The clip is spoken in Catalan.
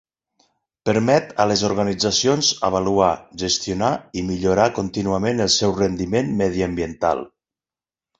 Permet a les organitzacions avaluar, gestionar i millorar contínuament el seu rendiment mediambiental.